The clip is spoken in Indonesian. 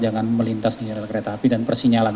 jangan melintas di jalan kereta api dan persinyalan